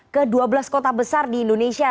ke dua belas kota besar di indonesia